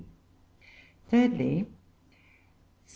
Thirdly, Sir W.